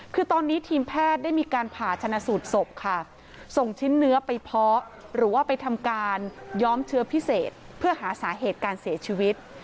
คือตอนนี้ทีมแพทย์ได้มีการผ่าชนะสูตรศพค่ะส่งชิ้นเนื้อไปเพาะหรือว่าไปทำการย้อมเชื้อพิเศษเพื่อหาสาเหตุการเสียชีวิต